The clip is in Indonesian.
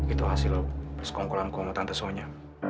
itu hasil perskongkulan ku sama tante sonya